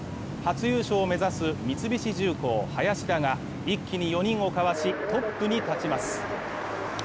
初優勝を目指す三菱重工・林田が一気に４人をかわし、トップに立ちます。